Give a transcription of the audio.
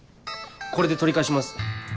これで取り返します。